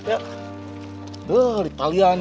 aduh diktalian nih